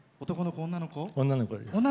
女の子です。